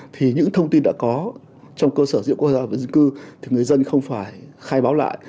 thì những thông tin đã có trong cơ sở dữ liệu quốc gia và dân cư thì người dân không phải khai báo lại